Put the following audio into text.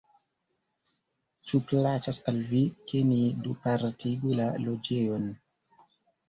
Ĉu plaĉas al vi, ke ni dupartigu la loĝejon?